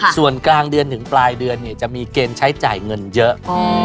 ส่วนกลางเดือนถึงปลายเดือนเนี่ยจะมีเกณฑ์ใช้จ่ายเงินเยอะ